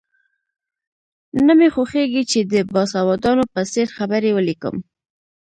نه مې خوښېږي چې د باسوادانو په څېر خبرې ولیکم.